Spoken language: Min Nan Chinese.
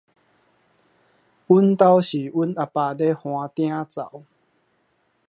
阮兜是阮阿爸咧扞鼎灶